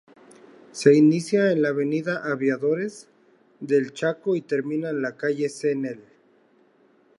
Se inicia en la avenida Aviadores del Chaco y termina en la calle Cnel.